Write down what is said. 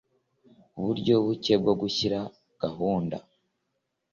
Uburyo buke bwo gushyira gahunda